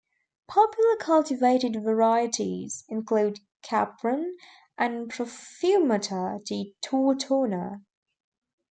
Popular cultivated varieties include 'Capron' and 'Profumata di Tortona'.